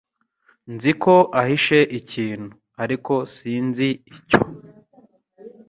Nzi ko ahishe ikintu, ariko sinzi icyo.